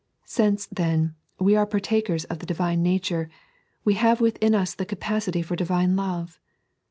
Since, then, we are partakers of the Divine nature, we have within us the capacity for Divine Love.